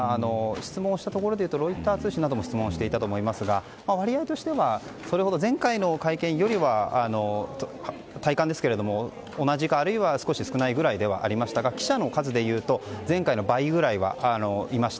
質問したところでいうとロイター通信などが質問していたと思いますが割合としては前回の会見よりは体感ですけれども同じか少し少ないくらいではありましたが記者の数でいうと前回の倍ぐらいはいました。